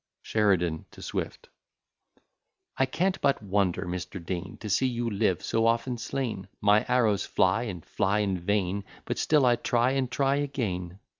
B._] SHERIDAN TO SWIFT I can't but wonder, Mr. Dean, To see you live, so often slain. My arrows fly and fly in vain, But still I try and try again.